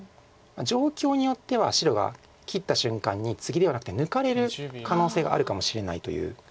状況によっては白が切った瞬間にツギではなくて抜かれる可能性があるかもしれないという。